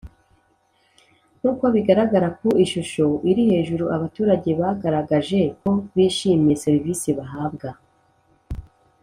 Nkuko bigaragara ku ishusho iri hejuru abaturage bagaragaje ko bishimiye serivisi bahabwa